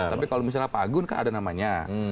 tapi kalau misalnya pak agun kan ada namanya